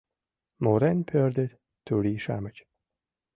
Мурен пӧрдыт турий-шамыч